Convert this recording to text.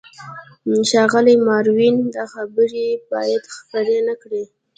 ښاغلی ماروین، دا خبرې باید خپرې نه کړې.